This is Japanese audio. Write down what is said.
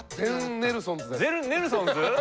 ネルソンズ？